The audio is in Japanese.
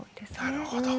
なるほど。